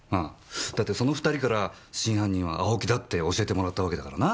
だってその２人から真犯人は青木だって教えてもらったわけだからな。